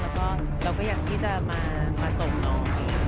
แล้วก็เราก็อยากที่จะมาส่งน้องอีก